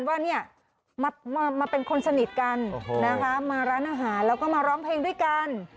ว่าเนี่ยมาเป็นคนสนิทกันนะคะมาร้านอาหารแล้วก็มาร้องเพลงด้วยกัน